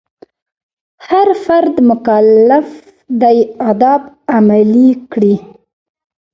هر فرد مکلف دی آداب عملي کړي.